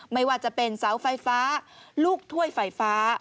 ไม่ว่าจะเป็นเสาไฟฟ้าลูกถ้วยไฟฟ้า